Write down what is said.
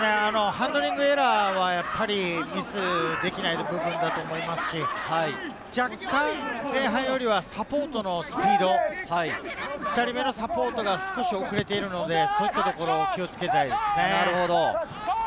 ハンドリングエラーはできないので、若干前半よりはサポートのスピード、２人目のサポートが少し遅れているので、そういったところを気を付けたいですね。